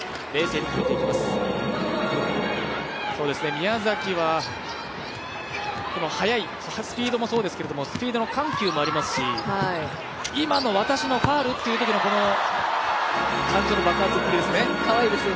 宮崎はスピードもそうですけどスピードの緩急もありますし、今の私のファウル？っていうときの感情の爆発っぷりですね。